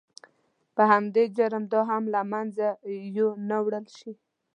په همدې جرم دا هم له منځه یو نه وړل شي.